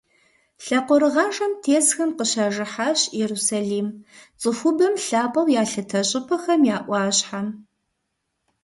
Лъакъуэрыгъажэм тесхэм къыщажыхьащ Иерусалим - цӏыхубэм лъапӏэу ялъытэ щӏыпӏэхэм я ӏуащхьэм.